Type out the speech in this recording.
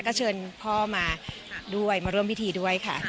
ก็เชิญพ่อมาด้วยมาร่วมพิธีด้วยค่ะ